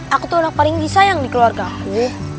aku tuh anak paling disayang di keluarga aku